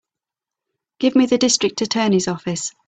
Give me the District Attorney's office.